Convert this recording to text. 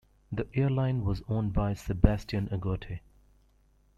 The airline was owned by Sebastian Agote.